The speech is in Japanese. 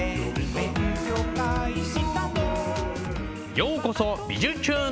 ようこそ「びじゅチューン！